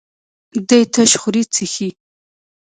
دی تش خوري څښي.